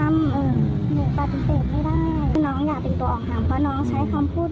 เมื่อครูไม่โตแล้วกับผมก็คิดว่าต้องเรียกย่อนเลยนะครับ